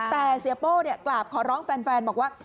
แต่เสียโป้กราบขอร้องแฟนบอกว่า